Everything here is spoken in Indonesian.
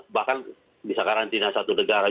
bahkan bisa karantina satu negara